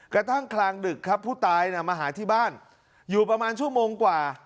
กระทั่งกลางดึกครับผู้ตายมาหาที่บ้านอยู่ประมาณชั่วโมงกว่า